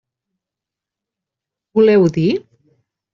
Voleu dir?